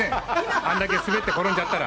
あれだけ滑って転んじゃったら。